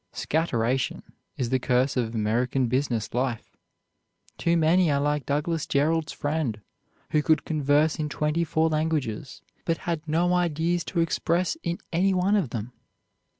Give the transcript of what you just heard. "Scatteration" is the curse of American business life. Too many are like Douglas Jerrold's friend, who could converse in twenty four languages, but had no ideas to express in any one of them.